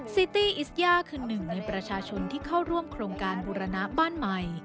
ซีตี้อิสย่าคือหนึ่งในประชาชนที่เข้าร่วมโครงการบูรณะบ้านใหม่